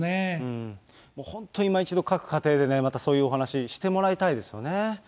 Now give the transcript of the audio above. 今一度、各家庭で、またそういうお話、してもらいたいですよね。